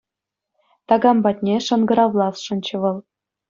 Такам патне шӑнкӑравласшӑнччӗ вӑл.